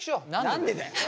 何でだよ。